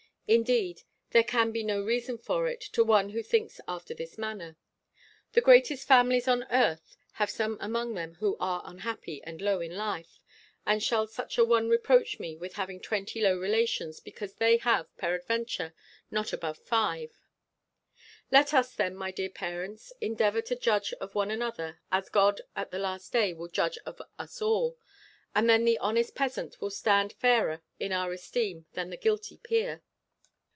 Indeed there can be no reason for it, to one who thinks after this manner the greatest families on earth have some among them who are unhappy and low in life; and shall such a one reproach me with having twenty low relations, because they have, peradventure, not above five? Let us then, my dear parents, endeavour to judge of one another, as God, at the last day, will judge of us all: and then the honest peasant will stand fairer in our esteem than the guilty peer.